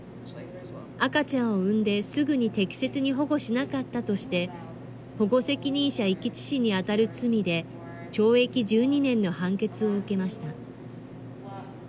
赤ちゃんを産んですぐに適切に保護しなかったとして、保護責任者遺棄致死に当たる罪で、懲役１２年の判決を受けました。